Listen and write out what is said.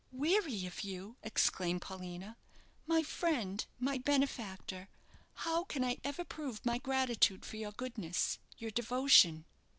"Weary of you!" exclaimed Paulina; "my friend, my benefactor. How can I ever prove my gratitude for your goodness your devotion?"